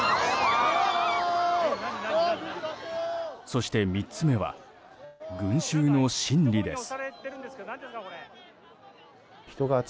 そして３つ目は群衆の心理です。